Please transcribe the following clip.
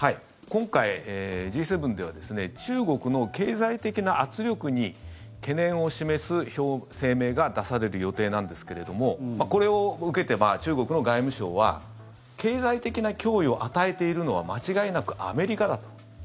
今回、Ｇ７では中国の経済的な圧力に懸念を示す声明が出される予定なんですけれどもこれを受けて、中国の外務省は経済的な脅威を与えているのは間違いなくアメリカだと。